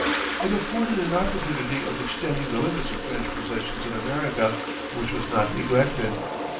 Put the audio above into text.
It afforded an opportunity of extending the limits of French possessions in America, which was not neglected.